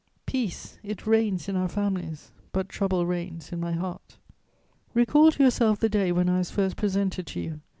Peace! It reigns in our families, but trouble reigns in my heart.... "Recall to yourself the day when I was first presented to you.